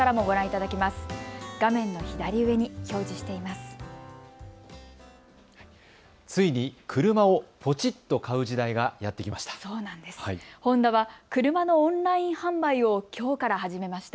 ついに車をぽちっと買う時代がやって来ました。